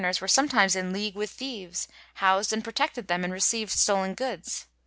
The tavemers were sometimes in league with thieves, housed and pro tected them and receivd stolen goods.